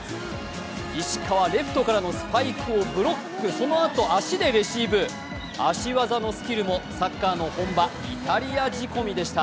石川、レフトからのスパイクをブロックそのあと足でレシーブ足技のスキルもサッカーの本場、イタリア仕込みでした。